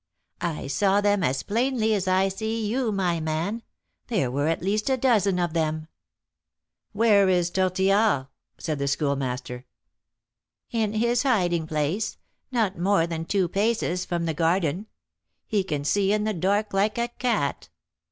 I saw them as plainly as I see you, my man; there were at least a dozen of them." "Where is Tortillard?" said the Schoolmaster. "In his hiding place, not more than two paces from the garden. He can see in the dark like a cat.